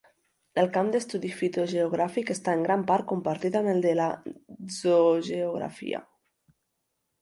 El camp d'estudi fitogeogràfic està en gran part compartit amb el de la zoogeografia.